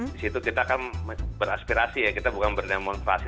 di situ kita kan beraspirasi ya kita bukan berdemonstrasi